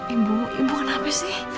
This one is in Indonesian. ibu ibu kenapa